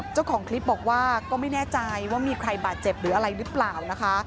เจ้าของคลิปบอกว่าก็ไม่แน่ใจว่ามีใครบาดเจ็บหรืออะไรหรือเปล่านะคะ